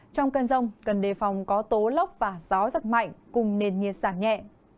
trong cơn giông gần đề phòng có tố lốc và gió rất mạnh cùng nền nhiệt giảm nhẹ